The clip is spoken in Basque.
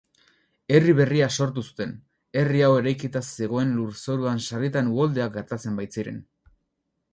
Herri berria sortu zuten, herri hau eraikita zegoen lurzoruan sarritan uholdeak gertatzen baitziren.